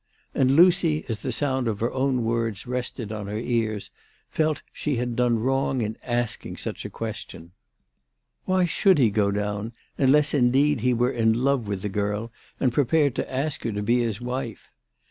And Lucy as the sound of her own words rested on her ears felt she had done wrong in asking such a question. Why should he go down, unless indeed he were in love with the girl and prepared to ask her to be his wife ?